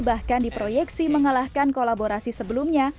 bahkan diproyeksi mengalahkan kolaborasi sebelumnya